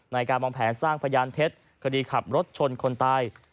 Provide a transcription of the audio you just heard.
ในการวางแผนสร้างพยานเท็จคดีขับรถชนคนตาย